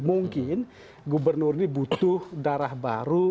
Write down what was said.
mungkin gubernur ini butuh darah baru